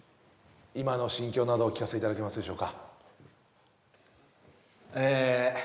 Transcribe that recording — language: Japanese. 今の心境などをお聞かせいただけますでしょうかえー